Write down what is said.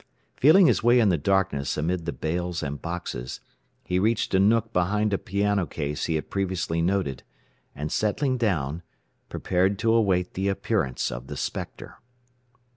Feeling his way in the darkness amid the bales and boxes, he reached a nook behind a piano case he had previously noted, and settling down, prepared to await the appearance of the "spectre."